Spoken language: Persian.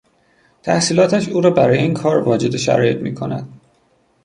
تحصیلاتش او را برای این کار واجد شرایط می کند.